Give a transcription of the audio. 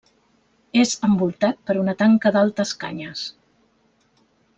És envoltat per una tanca d'altes canyes.